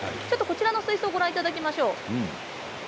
こちらの水槽をご覧いただきましょう。